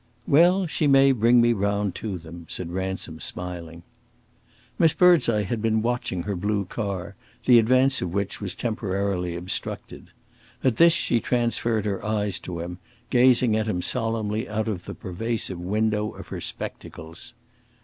"Well, she may bring me round to them," said Ransom, smiling. Miss Birdseye had been watching her blue car, the advance of which was temporarily obstructed. At this, she transferred her eyes to him, gazing at him solemnly out of the pervasive window of her spectacles.